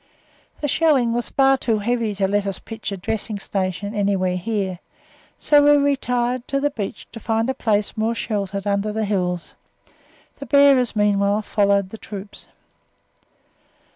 The shelling was far too heavy to let us pitch a dressing station anywhere here, so we retired to the beach to find a place more sheltered under the hills; the bearers meanwhile followed the troops.